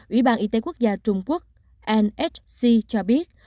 ủy ban y tế quốc gia trung quốc nsc cho biết